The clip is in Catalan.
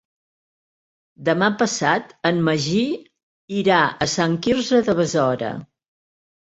Demà passat en Magí irà a Sant Quirze de Besora.